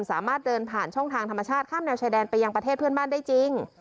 สามารถเดินผ่านช่องทางธรรมชาติข้ามแนวชายแดนไปยังประเทศเพื่อนบ้านได้จริง